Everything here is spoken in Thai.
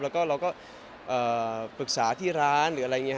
แล้วก็ปรึกษาที่ร้าน